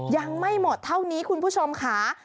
ยังไม่หมดเท่านี้คุณผู้ชมค่ะ